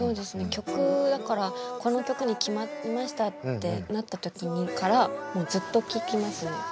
曲だからこの曲に決まりましたってなった時からもうずっと聴きますね。